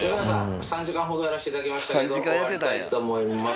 ３時間ほどやらせていただきましたけれども、終わりたいと思います。